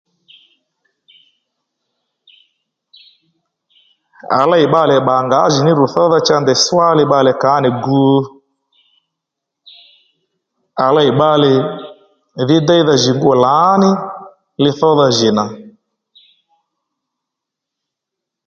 À lêy bbalè bbà ngǎjìní rù thódha cha ndèy swá li bbalè kǎ nì gu à lêy bbalè dhí déydha jì ngû lǎní li thódha jì nà